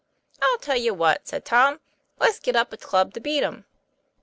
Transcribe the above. "I'll tell you what," said Tom, "let's get up a club to beat 'em."